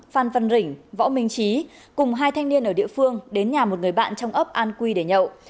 phan văn rỉnh võ minh trí cùng hai thanh niên ở địa phương đến nhà một người bạn trong ấp an quy để nhậu